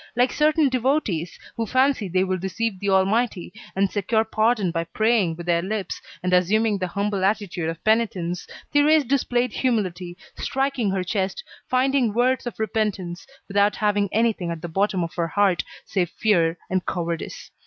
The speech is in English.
Like certain devotees, who fancy they will deceive the Almighty, and secure pardon by praying with their lips, and assuming the humble attitude of penitence, Thérèse displayed humility, striking her chest, finding words of repentance, without having anything at the bottom of her heart save fear and cowardice.